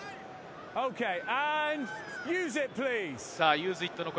ユーズイットの声。